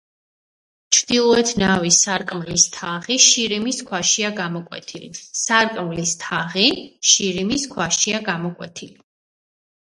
ჩრდილოეთ ნავის სარკმლის თაღი შირიმის ქვაშია გამოკვეთილი, სარკმლის თაღი შირიმის ქვაშია გამოკვეთილი.